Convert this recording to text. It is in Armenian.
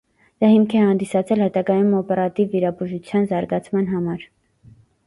Դա հիմք է հանդիսացել հետագայում օպերատիվ վիրաբուժության զարգացման համար։